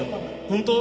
本当？